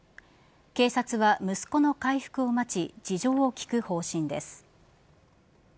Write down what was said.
警察は息子の回復を待ち事情を聴く方針です。